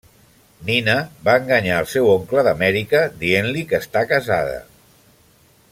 Nina va enganyar al seu oncle d'Amèrica dient-li que està casada.